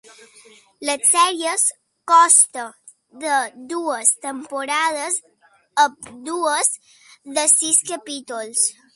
La sèrie consta de dues temporades, ambdues de sis capítols.